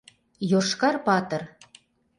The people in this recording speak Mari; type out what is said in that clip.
ЙОШКАР ПАТЫР